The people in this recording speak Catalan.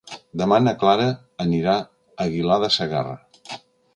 Demà na Clara anirà a Aguilar de Segarra.